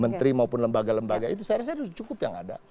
menteri maupun lembaga lembaga itu saya rasa cukup yang ada